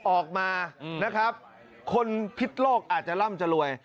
๓๗๖ออกมาคนพิศโลกอาจจะร่ำจะรวย